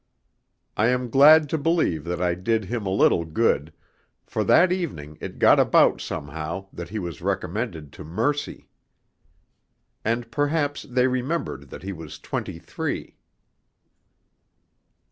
I am glad to believe that I did him a little good; for that evening it got about somehow that he was recommended to mercy. And perhaps they remembered that he was twenty three.